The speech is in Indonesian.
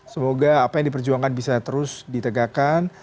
semoga apa yang diperjuangkan bisa terus ditegakkan